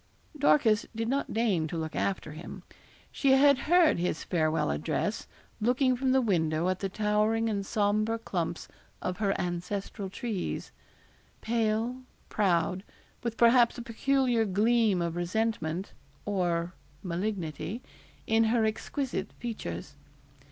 Dorcas did not deign to look after him. She had heard his farewell address, looking from the window at the towering and sombre clumps of her ancestral trees pale, proud, with perhaps a peculiar gleam of resentment or malignity in her exquisite features.